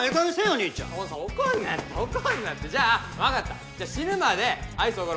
兄ちゃん怒んな怒んなってじゃあ分かったじゃあ死ぬまでアイスおごる